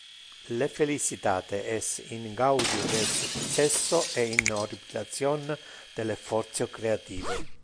Le felicitate es in gaudio del successo e in le horripilation del effortio creative.